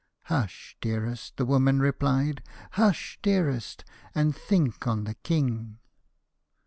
* Hush, dearest 1 ' the woman replied. ' Hush, dearest, and think on the King